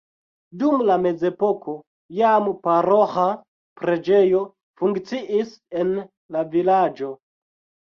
Dum la mezepoko jam paroĥa preĝejo funkciis en la vilaĝo.